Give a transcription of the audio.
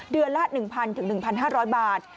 เดือนละ๑๐๐๑๕๐๐บาท